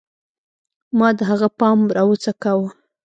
ما د هغه پام راوڅکاوه